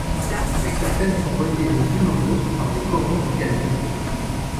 Certaines sont reliées les unes aux autres par des cordons de galets.